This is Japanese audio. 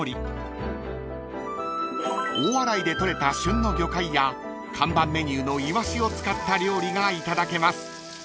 ［大洗で取れた旬の魚介や看板メニューのイワシを使った料理がいただけます］